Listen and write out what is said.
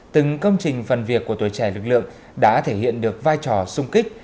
từng công trình phần việc của tuổi trẻ lực lượng đã thể hiện được vai trò sung kích